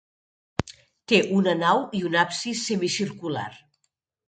Té una nau i un absis semicircular.